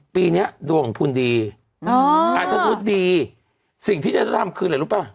ปีเนี้ยดวงของภูมิดีอ๋อสมมุติดีสิ่งที่จะจะทำคืออะไรรู้ป่ะ